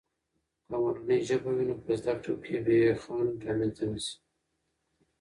که مورنۍ ژبه وي، نو په زده کړو کې بې خنډ رامنځته نه سي.